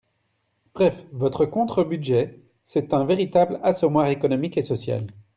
Bref, votre contre-budget, c’est un véritable assommoir économique et social.